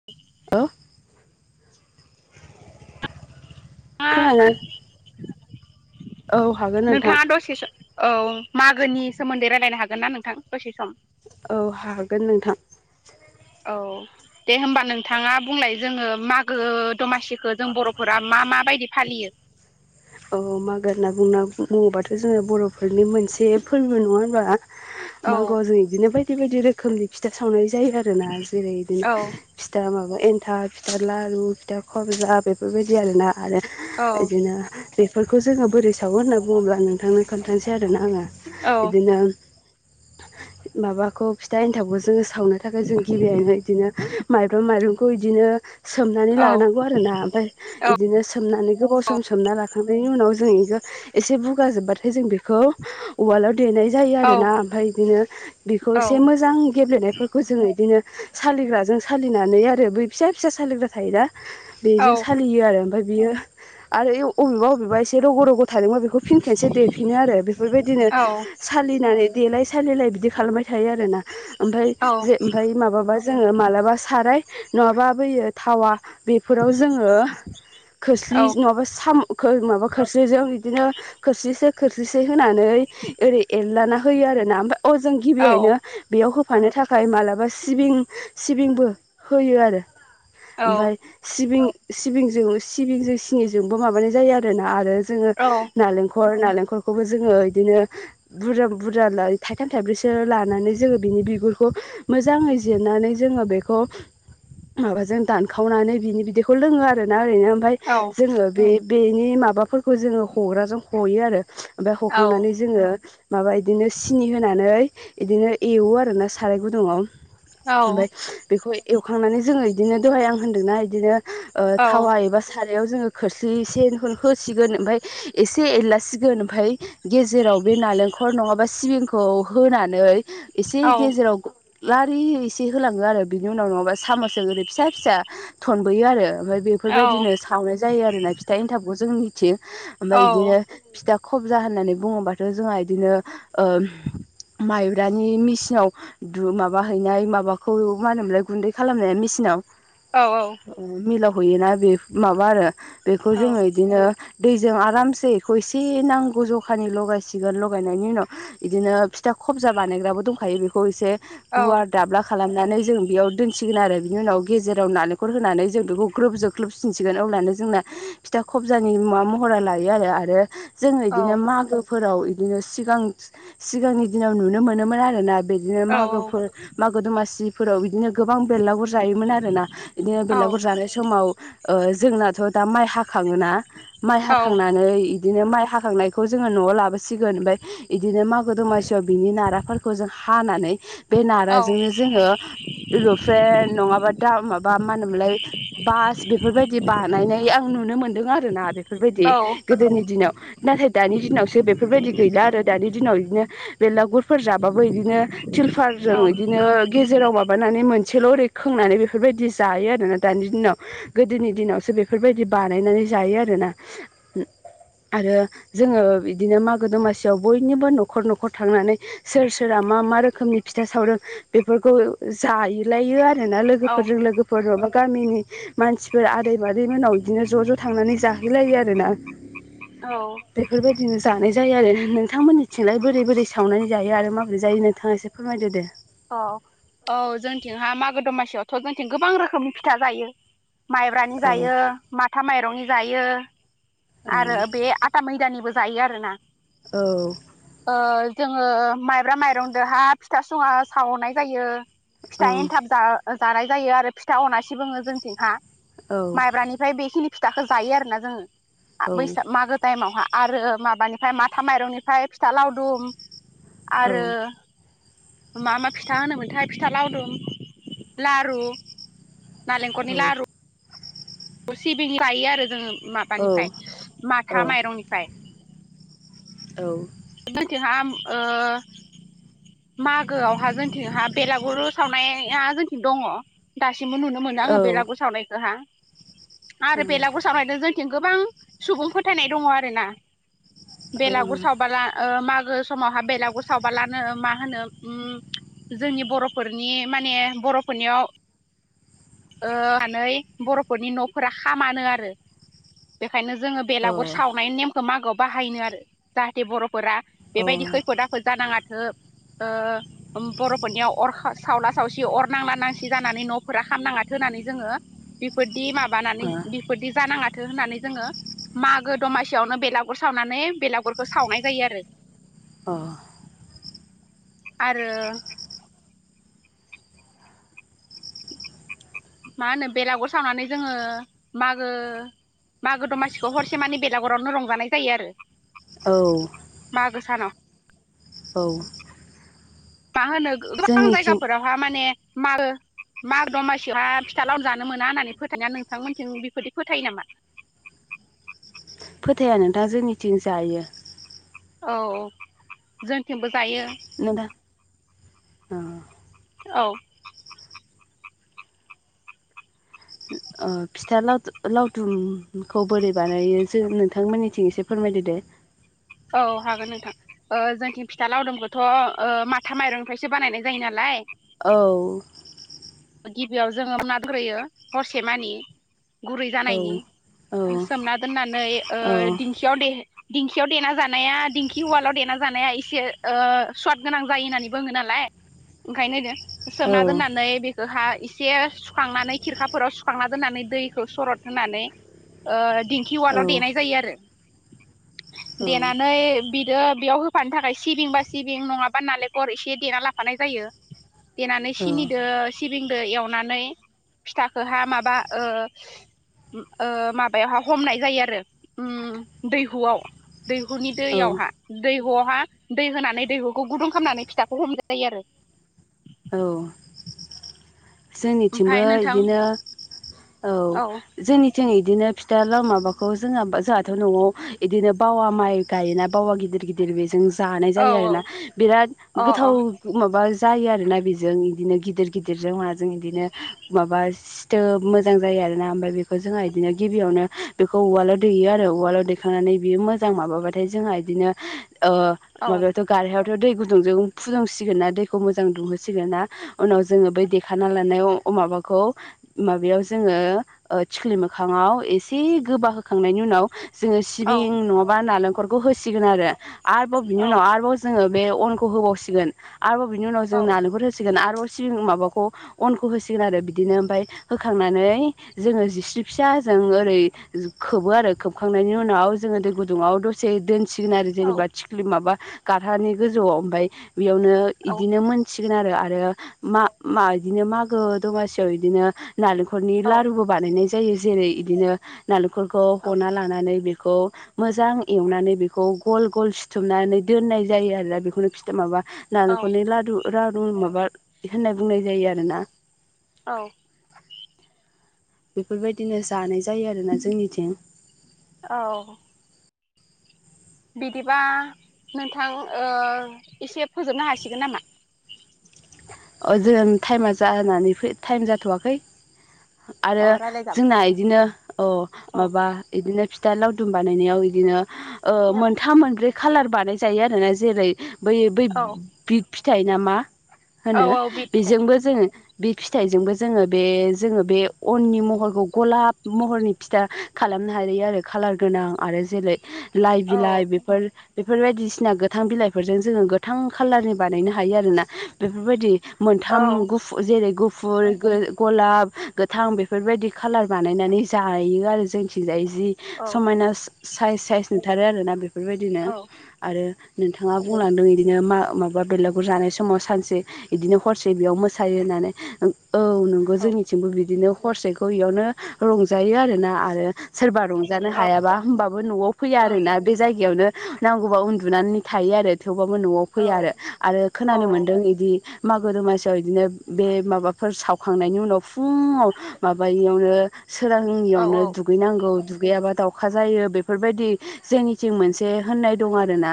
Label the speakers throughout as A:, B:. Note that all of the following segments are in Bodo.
A: [unintelligible] खोनादों
B: [unintelligible]
A: औ हागोन नोंथां
B: नोंथाङा दसेसो औ मागोनि सोमोन्दै रायलायनो हागोन ना नोंथां दसे सम।
A: औ हागोन नोंथां।
B: औ दे होमबा नोंथाङा बुंलाय जोङो मागो दमासि खो जों बर'फोरा मा माबायदि फालियो?
A: औ मागो होनना बुंना बुङोबाथ' जोङो बर'फोरनि मोनसे फोरबो नङा होनबा।
B: औ
A: मागोआव जों बिदिनो बायदि बायदि रोखोमनि फिथा सावनाय जायो आरोना जेरै बि
B: औ
A: फिथा माबा एन्थाब फिथा लारु फिथा खबजा बेफोरबायदि आरो ना। आरो
B: औ
A: बिदिनो बेफोरखौ जोङो बोरै सावो होनना बुङोब्ला नोंथांनो खोन्थानोसै आरोना आङो
B: औ
A: बिदिनो माबाखौ फिथा एन्थाबखौ जोङो सावनो थाखाय जों गिबियावनो इदिनो माइब्रं माइरंखौ इदिनो सोमनानै
B: औ
A: लानांगौ आरो ना ओमफ्राय इदिनो सोमनानै गोबाव सम सोमना ला खांनायनि उनाव जों इखौ एसे बुगा जोब्बाथाय जों बेखौ उवालाव देनाय जायो
B: औ
A: आरोना ओमफाय इदिनो बेखौ
B: औ
A: एसे मोजां गेब्लेनाय खौ जोङो इदिनो सालिग्राजों सालिनानै आरो बै फिसा फिसा सालिग्रा थायोना।
B: औ
A: बेजों सालियो आरो ओमफाय बियो आरो अबेबा अबेबा एसे रग' रग' थादोंबा बेखौ फिन खेनसे देफिनो आरो बेफोरबायदिनो सालिनानै। देलाय सालिलाय बिदि खालामबाय थायो आरो ना ओमफाय
B: औ
A: जे ओमफाय माबाबा जोङो मालाबा साराय नङाबा बोयो थावा बेफोराव जोङो खोस्लि नङाबा साम खो माबा खोस्लिजों बिदिनो खोस्लिसे खोस्लिसे होनानै ओरै एरलाना होयो आरोना ओमफाय अ जों गिबियैनो बेयाव होफानो थाखाय मालाबा सिबिं सिबिंबो होयो आरो।
B: औ
A: ओमफाय सिबिं सिबिंजों सिबिंजों सिनिजोंबो माबानाय जायो आरो ना आरो। जोङो
B: औ
A: नालेंखल नालेंखलखौबो जोङो बिदिनो बुरजा बुरजा थाइथाम थाइब्रैसो लानानै जोङो बिनि बिगुरखौ मोजाङै जिरनानै जोङो बेखौ माबाजों दानखावनानै बिनि बिदैखौ लोङो आरोना ओरैनो ओमफाय
B: औ
A: जोङो बे बेनि माबाफोरखौ जोंङो हग्राजों हयो आरो ओमफाय हखांनानै जोंङो माबा इदिनो सिनि होनानै इदिनो एवो आरोना साराय गुदुंङाव। ओमफाय बेखौ एवखांनानै जोंङो इदिनो दहाय आं होनदोंना इदिनो ओ थावा एबा सारायाव जोंङो खोस्लिसे होसिगोन ओमफाय एसे एरलासिगोन ओमफाय गेजेराव बे नालेंखर नङाबा सिबिंखौ होनानै एसे गेजेराव लारि एसे होलाङो आरो बिनि उनाव नङाबा सामसजों ओरै फिसा फिसा थनबोयो आरो ओमफ्राय बेफोरबायदिनो सावनाय जायो आरोना फिथा एन्थाबखौ जोंनिथिं ओमफाय
B: औ
A: इदिनो फिथा खबजा होननानै बुंङोबाथ' जोंहा इदिनो ओ माइब्रानि मेसिनाव दु माबा हैनाय माबाखौ मा होनोमोनलाय गुन्दै खालामनाया मेसिनाव
B: औ औ
A: ओ मिलाव हैयोना बेफ माबा आरो बेखौ जोंङो इदिनो दैजों आरामसे इखौ एसे नांगौ जखानि लगायसिगोन लगायनायनि उनाव इदिनो फिथा खबजा बानायग्राबो दंखायो बेखौ एसे गुवार दाब्ला खालामनानै जों बेयाव दोनसिगोन आरो बिनि उनाव गेजेराव नालेंखर होनानै जों बेखौ ग्रोब जोब ख्लोबफिनसिगोन अब्लानो जोंना फिथा खबजानि महरा लायो आरो आरो जोंङो
B: औ
A: इदिनो मागो फोराव इदिनो सिगां सिगांनि दिनाव नुनो मोनोमोन आरो ना बिदिनो मागोफोर मागो दमासिफोराव बिदिनो गोबां बेरलागुर जायोमोन आरो ना बिदिनो बेरलागुर जानाय समाव ओ जोंनाथ' दा माइ हाखांङोना माइ हाखांनानै इदिनो माइ हाखांनायखौ जोंङो न'आव लाबोसिगोन ओमफाय इदिनो मागो दमासियाव बिनि नाराफोर खौ जों हानानै बे नाराजोंनो जोंङो र'फ्र्रे नंङाबा दा माबा मा होनोमोनलाय बास बेफोरबायदि बानायनाय आं नुनो मोनदों आरो ना बेफोरबायदि
B: औ
A: गोदोनि दिनाव नाथाय दानि दिनावसो बेफोरबायदि गैला आरो दानि दिनाव इदिनो बेलागुरफोर जाबाबो इदिनो
B: औ
A: थिलफारजों इदिनो गेजेराव माबा माबानानै मोनसेल' ओरै खोंनानै बेफोरबायदि जायो आरोना दानि दिनाव गोदोनि दिनावसो बे फोरबायदि बानायनानै जायो आरोना ओ आरो जोंङो बिदिनो मागो दमासियाव बयनिबो न'खर न'खर थांनानै सोर सोरा मा मा रोखोमनि फिथा सावदों बेफोरखौ जाय लायो आरो आरोना
B: औ
A: लोगोफोरजों लोगोफोरबा गामिनि मानसिफोर आदै माद दै मोनाव इदिनो ज' ज' थांनानै जाहैलायो आरो ना
B: औ
A: बेफोरबायदिनो जानाय जायो आरो नोंथांमोननि थिंलाय बोरै बोरै सावनानै जायो आरो माबोरै जायो नोंथांङा एसे फोरमायदो दे
B: अ औ जोंथिंहा मागो दमासियावथ' जोंथिं गोबां रोखोमनि फिथा जायो। माइब्रानि
A: औ
B: जायो माथा माइरंनि जायो
A: औ
B: आरो बे आथ था मैदानिबो जायो आरो ना
A: औ
B: ओ जोंङो माइब्रा माइरंदोहा फिथा सुंङा सावनाय जायो।
A: औ
B: फिथा एन्थाब जा जानाय जायो आरो फिथा अनासि बुंङो जोंथिंहा
A: औ
B: माइब्रानिफ्राय बेखिनि फिथाखो जायो आरोना जोंङो आ
A: औ
B: बैसाग मागो टाइमावहा आरो माबानिफ्राय माथा माइरंनिफ्राय फिथा लावदुम
A: औ
B: आरो मा मा फिथा होनोमोनथाय फिथा लावदुम, लारु नालेंखरनि‌ लारु अ सिबिंनि जायो आरो जोंङो
A: औ
B: माबानिफ्राय माथा माइरंनिफ्राय
A: औ
B: जोंनिथिंहा ओ मागोआवहा जोंथिंहा बेलागुरु सावनाया जोंथिं दङ दासिमबो नुनो मोनो आङो बेलागुर सावनायखोहा आरो बेलागुर सावनायदों जोंथिं गोबां सुबुं फोथायनाय दङ आरो ना बेलागुर सावबाला ओ मागो समावहा बेलागुर सावबालानो मा मा होनो उम जोंनि बर'फोरनि माने बर'फोरनियाव ओ मानै बर'फोरनि न'फोरा खामानो आरो बेखायनो जोङो बेलागुर
A: अ
B: सावनायनि नेमखौ मागोआव बाहायनो आरो जाहाथे बर'फोरा
A: अ
B: बेबायदि खैफोद आफ फोद जानाङाथो ओ ओ बर'फोरनियाव अर खा सावला सावसि अर नांला नांसि जानानै न'फोरा खामनाङा थोनानै जोङो बेफोरदि माबानानै
A: अ
B: बिफोरदि जानाङाथो होननानै जोङो मागो दमासियावनो बेलागुर सावनानै बेलागुरखौ सावनाय जायो आरो
A: अ
B: आरो मा होनो बेलागुर सावनानै जोङो मागो मागो दमासिखौ हरसे मानि बेलागरावनो रंजानाय जायो आरो।
A: औ
B: मागो सानाव
A: औ
B: मा होनो गोबां
A: जोंनिथिं
B: जायगाफोरावहा माने मागो माग दमासियावहा फिथा लाव जानो मोना होननानै फोथायो ना नोंथांमोनथिं बेफोरदि फोथायो नामा?
A: फोथाया नोंथां जोंनिथिं जायो।
B: औ औ जोंथिंबो जायो।
A: [unintelligible] दा अ
B: औ
A: ओ फिथा लाव-लावदुमखौ बोरै बानायो जों नोंथांमोननिथिं एसे फोरमायदो दे
B: औ हागोन नोंथां। ओ जोंथिं फिथा लावदुमखौथ' ओ माथा माइरंनिफ्रायसो बानायनाय जायो नालाय।
A: औ
B: गिबियाव जोङो [unintelligible] हरसे मानि गुरै
A: औ औ
B: जानायनि सोमना दोननानै ओ
A: औ
B: दिंखियाव दे दिंखियाव देना जानाया दिंखि उवालाव देना जानाया इसे ओ स्वाद गोनां जायो होननानै बोङो नालाय ओंखायनो
A: औ
B: सोमना दोननानै बे गोहा इसे सुखांनानै खिरखाफोराव सुखांना दोननानै दैखौ सरद होनानै ओ दिंखि वालाव
A: औ
B: देनाय जायो आरो देनानै बिदो बेयाव होफानो थाखाय सिबिं बा सिबिं नङाबा नालेखर एसे देना लाफानाय जायो। देनानै
A: औ
B: सिनिदो सिबिंदो एवनानै फिथाखोहा माबा ओ ओ माबायावहा हमनाय जायो आरो उम दैहुआव। दैहुनि दैयावहा दैहुआवहा दै होनानै दैहुखौ गुदुं खामनानै फिथाखौ हमजायो आरो।
A: औ
B: ओमफाय
A: जोंनिथिंबो
B: नोंथां
A: इदिनो औ। जोंनिथिं इदिनो फिथा लाव माबाखौ जोंहा जाहाथ' न'आव इदिनो बावा माइ गायोना बावा गिदिर गिदिर बेजों जानाय
B: औ
A: जायो आरोना बिराद
B: औ
A: गोथाव
B: अ
A: माबा जायो आरो ना बेजों इदिनो गिदिर गिदिरजों माजों इदिनो माबा सिथोब मोजां जायो आरोना ओमफ्राय बेखौ जोंहा बिदिनो गिबियावनो बेखौ उवालाव दैेयो आरो उवालाव दे खांनानै बेयो मोजां माबाबाथाय जोंहा इदिनो ओ
B: अ
A: माबायावथ' गारहायावथ' दै गुदुंजों फुदुंसिगोन ना दैखौ मोजां दुंहोसिगोन ना उनाव जोङो बै [unintelligible] खाना लानाय माबाखौ माबायाव जोङो ओ थिख्लि मोखाङाव एसे गोबा होखांनायनि उनाव जोङो
B: औ
A: सिबिं नङाबा नालेंखरखौ होसिगोन आरो आरोबाव बिनि
B: औ
A: उनाव आरोबाव जोङो बे अनखौ होबावसिगोन आरोबाव बिनि उनाव
B: औ
A: जों नालेंखर होसिगोन आरोबाव सिबिं माबाखौ [unintelligible] अनखौ होसिगोन आरो बिदिनो ओमफाय होखांनानै जोङो जिस्रि फिसा जों ओरै खोबो आरो खोबखांनायनि उनाव जोङो दै गुदुङाव दसे दोन सिगोन आरो
B: औ
A: जेनेबा थिख्लि माबा गारहानि गोजौआव ओमफाय बेयावनो
B: औ
A: इदिनो मोन सिगोन आरो आरो मा मा इदिनो मागो दमासियाव इदिनो नालेंखरनि
B: औ
A: लारुबो बानायनाय जायो जेरै इदिनो नालेंखरखौ हना ला नानै बेखौ मोजां एवनानै बेखौ गल गल सिथुमनानै दोननाय जायो आरो बिखौनो [unintelligible] माबा नालेंखरनि
B: औ
A: लादु लारु माबा होननाय बुंनाय जायो आरो ना।
B: औ
A: बेफोरबायदिनो जानाय जायो आरोना जोंनिथिं।
B: औ बिदिबा नोंथां ओ एसे फोजोबनो हासिगोन नामा?
A: ओ‌ जों टाइमा जानानैै टाइम जाथ'वाखै आरो
B: अ रायलायजाब
A: जोंना इदिनो ओ
B: औ
A: माबा इदिनो फि फिथा लावदुम बानायनायाव बिदिनो ओ
B: औ
A: मोनथाम मोनब्रै खाालार बानाय जायो आरो ना जेरै बै बै
B: औ
A: बिग फिथाइ नामा
B: औ
A: होनो
B: औ बि फिथाइ
A: बेजोंबो जोङो बिग फिथाइजोंबो जोङो बे जोङो बे अननि महरखौ गलाब महरनि फिथा खालामनो हायो आरो खालार गोनां आरो जेरै लाइ
B: औ
A: बिलाइ बेफोर बेफोर बायदिसिना गोथां बिलाइफोरजों जोङो गोथां खालारनि बानायनो हायो आरोना बेफोरबायदि
B: औ
A: मोनथाम गु जेरै गुफुर ओ गलाब गोथां बेफोरबायदि खालार बानायनानै जायो आरो जोंनि थिजाय जि
B: औ
A: समायना साइस साइस नुथारो आरो ना बेफोरबादिनो
B: औ
A: आरो नोंथांआ बुंलांदों इदिनो मा माबा बेुलागुर जानाय समाव सानसे इदि हरसे बेखव मोसायो होननानै औ नंगौ
B: औ
A: जोंनि बिदिनो हरसेखौ इयावनो रंजायो आरो ना आरो सोरबा रंजानो हायाबा होमबाबो न'आव फैया
B: ओं
A: आरोना बे जायगायावनो नांगौबा उन्दुनानै थायो आरो थेवबाबो न'आव
B: औ
A: फैआ आरो आरो
B: औ
A: खोनानो मोन्दों दि मागो दमासियाव इदिनो बे माबाफोर सावखांनायनि उनाव फुङाव माबयैआवनो सोरांयैआवनो
B: औ
A: दु दुगैनांगौ दुगैयाबा दाउखा जायो बेफोरबादि हो जोंनिथिं मोनसे होननाय दं आरोना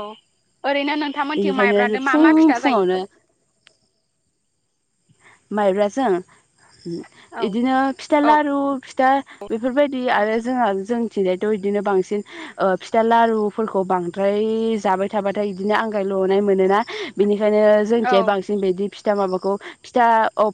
B: औ ओरैनो नोंथांमोनथिं माइब्रादों मा मा फिथा जायो
A: बे [unintelligible] माइब्राजों
B: औ
A: इदिनो फिथा लारु दा बेफोरबादि आरो जोंहा जोंथिंजायथ' बिदिनो बांसिन ओ फिथा लारुफोरखौ बांद्राय जाबाय थाबाथाय बिदिनो आंगाय ल'नाय मोनोना बेनिखायनो
B: औ
A: जोंनिथिंजाय बांसिन बिदि फिथा माबाखौ फिथा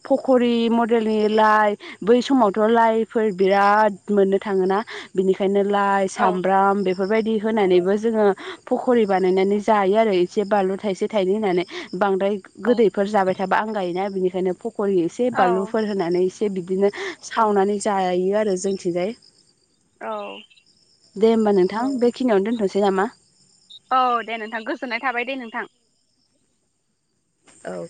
A: फख'रि मडेलनि लाइ बै समावथ' लाइफोर बिराद मोननो थाङोना बिनिखायनो लाइ
B: औ
A: सामब्राम बे बेफोरबादि होनानैबो जोङो फख'रि बानायनानै जायो आरो एसे बानलु थाइसे थाइनै होनानै बांद्राय गोदैफोर जाबाय थाबा आंगायोना बिनिखायनो फ'ख'रि एसे
B: औ
A: बानलुफोर होनानै इसे एसे बिदिनो सावनानै जायो आरो जोंनिथिंजाय
B: औ
A: दे होमबा नोंथां बेखिनिआवनो दोनथ'नोसै नामा
B: औ दे नोंथां गोजोननाय थाबाय दे नोंथां
A: औ